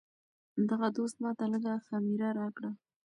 دغه دوست ماته لږه خمیره راکړه.